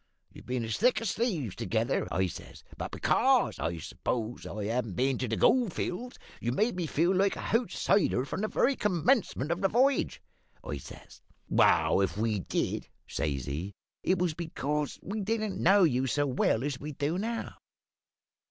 You've been as thick as thieves together,' I says; `but because, I s'pose, I haven't been to the gold fields you've made me feel like a houtsider, from the very commencement of the v'yage,' I says. "`Well, if we did,' says he, `it was because we didn't know you so well as we do now.'